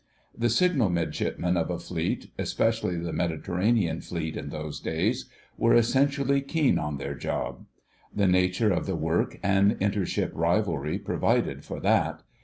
The Signal Midshipmen of a fleet, especially the Mediterranean Fleet of those days, were essentially keen on their "job." The nature of the work and inter ship rivalry provided for that.